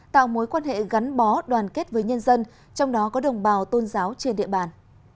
tạo mối quan hệ gắn bó đoàn kết với nhân dân trong đó có đồng bào tôn giáo trên địa bàn